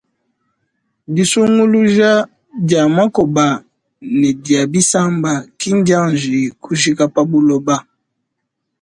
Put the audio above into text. Disunguluja dia makoba ne dia bisamba kindianji kujika pa buloba.